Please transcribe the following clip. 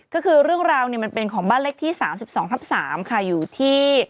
ก็คือเรื่องราวมันเป็นของบ้านเลขที่๓๒ทับ๓ค่ะอยู่ที่